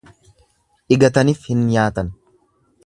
Dhigatanif hin nyaatan.